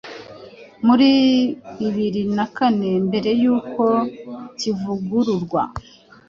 muri bbiri na kane mbere yuko kivugururwa